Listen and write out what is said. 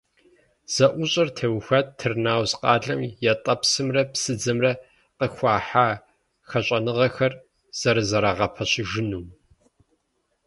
ЗэӀущӀэр теухуат Тырныауз къалэм ятӀэпсымрэ псыдзэмрэ къыхуахьа хэщӀыныгъэхэр зэрызэрагъэпэщыжынум.